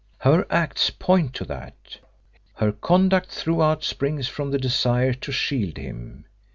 Her acts point to that; her conduct throughout springs from the desire to shield him.